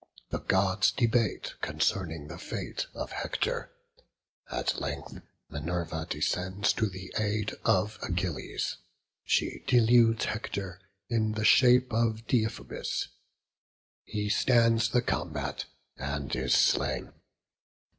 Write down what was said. The gods debate concerning the fate of Hector; at length Minerva descends to the aid of Achilles. She deludes Hector in the shape of Deiphobus; he stands the combat, and is slain.